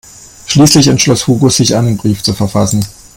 Schließlich entschloss Hugo sich, einen Brief zu verfassen.